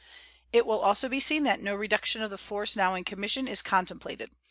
It will also be seen that no reduction of the force now in commission is contemplated.